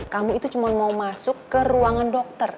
kamu itu cuma mau masuk ke ruangan dokter